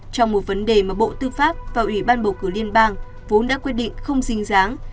trong một vấn đề mà bộ tư pháp và ủy ban bầu cử liên bang vốn đã quyết định không dính dáng